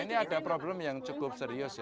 iya ini ada problem yang cukup serius